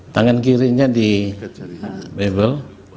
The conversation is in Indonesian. tangan kirinya di bebel